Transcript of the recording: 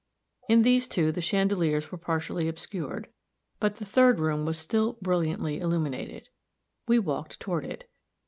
In these two the chandeliers were partially obscured, but the third room was still brilliantly illuminated. We walked toward it.